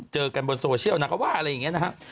เจอกันบนโซเชียลนะคะว่าอะไรอย่างนี้นะฮะ